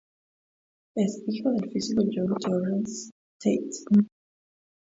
Es hijo del físico John Torrance Tate.